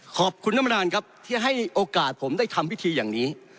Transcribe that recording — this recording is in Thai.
ขอบคุณท่านประธานครับที่ให้โอกาสผมได้ทำพิธีอย่างนี้